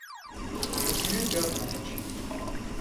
Gözünü dört aç.